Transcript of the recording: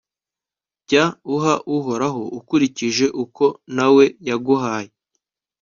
jya uha uhoraho ukurikije uko na we yaguhaye